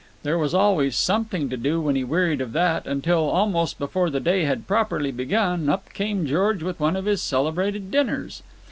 There was always something to do when he wearied of that until, almost before the day had properly begun, up came George with one of his celebrated dinners.